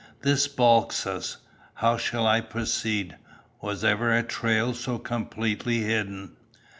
This balks us. How shall I proceed? Was ever a trail so completely hidden?